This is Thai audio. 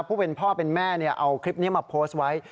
ผู้เป็นพ่อเป็นแม่เอาคลิปนี้มาโพสต์ไว้